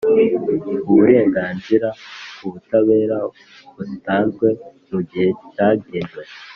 Uburenganzira ku Butabera butanzwe mu gihe cya genwe